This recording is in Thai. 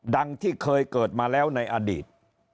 ดังที่เคยเกิดมาแล้วในอดีต